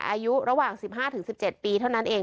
อายุระหว่าง๑๕๑๗ปีเท่านั้นเอง